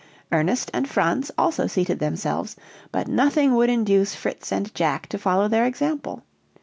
Ernest and Franz also seated themselves; but nothing would induce Fritz and Jack to follow their example.